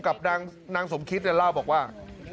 กับนางสมคิตเล่าบอกว่า